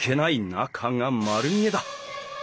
中が丸見えだ。